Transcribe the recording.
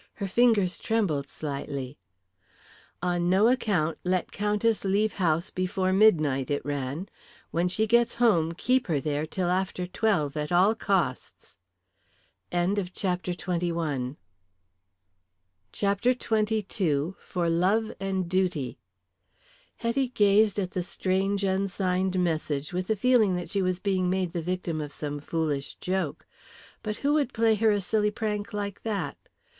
Her fingers trembled slightly. "On no account let Countess leave house before midnight," it ran. "When she gets home keep her there till after twelve, at all costs." CHAPTER XXII. FOR LOVE AND DUTY. Hetty gazed at the strange unsigned message with the feeling that she was being made the victim of some foolish joke. But who would play her a silly prank like that?